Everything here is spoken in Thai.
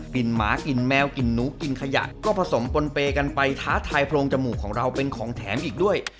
หมากลิ่นแมวกลิ่นหนูกลิ่นขยะก็ผสมปนเปย์กันไปท้าทายโพรงจมูกของเราเป็นของแถมอีกด้วย